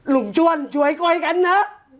ลูกชัวร์ช่วยก่อนนะ